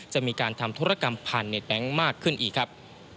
จะมีการทำธุรกรรมผ่านในแบงค์มากขึ้นอีกครับ